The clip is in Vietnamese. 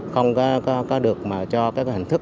không có được cho hình thức